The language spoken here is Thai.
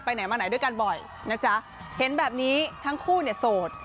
ไหนมาไหนด้วยกันบ่อยนะจ๊ะเห็นแบบนี้ทั้งคู่เนี่ยโสด